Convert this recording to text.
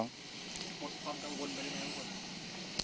หมดความกังวลไปได้ไหมทั้งคน